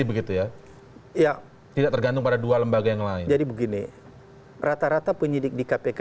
begitu ya ya tidak tergantung pada dua lembaga yang lain jadi begini rata rata penyidik di kpk